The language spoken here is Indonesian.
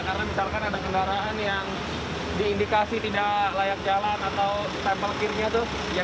karena misalkan ada kendaraan yang diindikasi tidak layak jalan atau sampel kirinya tuh ya